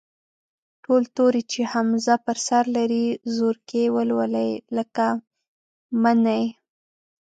ټول توري چې همزه پر سر لري، زورکی ولولئ، لکه: مٔنی.